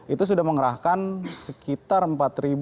itu sudah mengerahkan sekitar